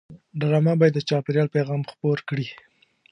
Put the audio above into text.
ډرامه باید د چاپېریال پیغام خپور کړي